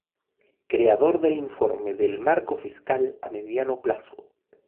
Creador del Informe del Marco Fiscal a Mediano Plazo.